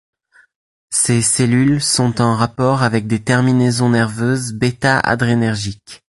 Ces cellules sont en rapport avec des terminaisons nerveuses β-adrénergique.